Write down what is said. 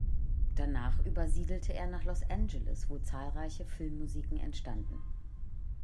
Danach übersiedelte er nach Los Angeles, wo zahlreiche Filmmusiken entstanden.